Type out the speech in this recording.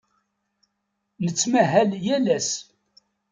Nettmahal yal ass.